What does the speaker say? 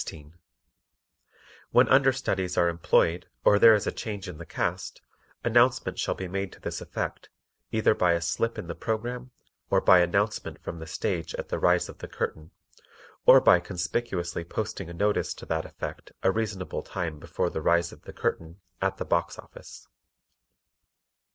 When understudies are employed or there is a change in the cast, announcement shall be made to this effect, either by a slip in the program, or by announcement from the stage at the rise of the curtain, or by conspicuously posting a notice to that effect a reasonable time before the rise of the curtain, at the box office.